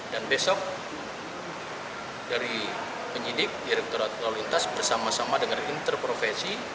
dan besok dari penyidik direkturat lalu lintas bersama sama dengan interprofesi